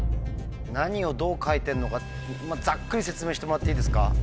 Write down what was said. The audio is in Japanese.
何をどう書いてるのかざっくり説明してもらっていいですか？